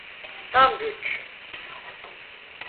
Tam güç.